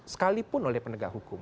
sekalipun oleh penegak hukum